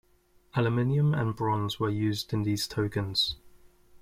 Aluminium and bronze were used in these tokens.